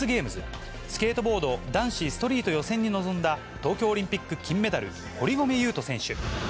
スケートボード男子ストリート予選に臨んだ、東京オリンピック金メダル、堀米雄斗選手。